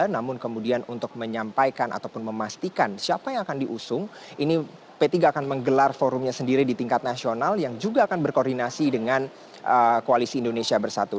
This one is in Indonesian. namun kemudian untuk menyampaikan ataupun memastikan siapa yang akan diusung ini p tiga akan menggelar forumnya sendiri di tingkat nasional yang juga akan berkoordinasi dengan koalisi indonesia bersatu